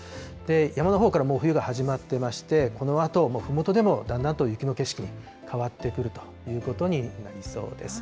山のほうからもう冬が始まっていまして、このあと、もうふもとでもだんだんと雪の景色に変わってくるということになりそうです。